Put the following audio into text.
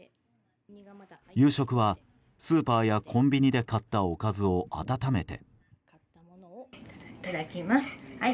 夕食はスーパーやコンビニで買った、おかずを温めて。